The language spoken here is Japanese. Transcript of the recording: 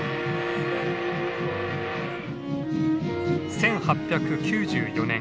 １８９４年